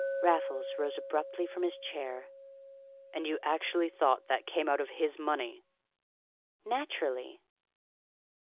Raffles rose abruptly from his chair. "And you actually thought that came out of his money?" "Naturally."